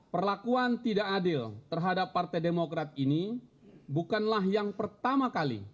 perlakuan tidak adil terhadap partai demokrat ini bukanlah yang pertama kali